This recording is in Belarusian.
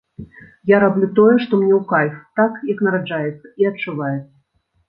Я раблю тое, што мне ў кайф, так, як нараджаецца і адчуваецца.